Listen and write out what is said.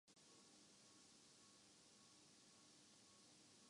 ان میں کمکموڈو اور زیڈ ایکس اسپیکٹرم زیادہ قابل ذکر ہیں